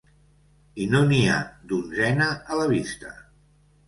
I no n’hi ha d’onzena a la vista.